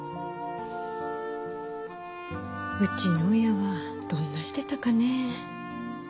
うちの親はどんなしてたかねえ。